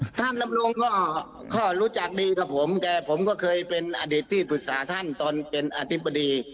ท่านดำรงก็รู้จักดีกับผมแต่ผมก็เคยเป็นอดีตที่ปรึกษาท่านตอนเป็นอธิบดี